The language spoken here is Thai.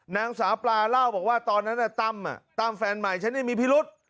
นางสาวปลาเล่าบอกว่าตอนนั้นตั้มตั้มแฟนใหม่ฉันยังมีพิรุษ